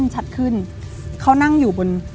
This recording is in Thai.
ชัดขึ้นเขานั่งอยู่บน